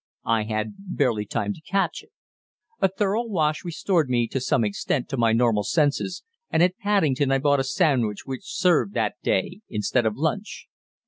I had barely time to catch it. A thorough wash restored me to some extent to my normal senses, and at Paddington I bought a sandwich which served that day instead of lunch.